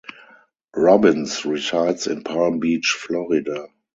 Robbins resides in Palm Beach, Florida.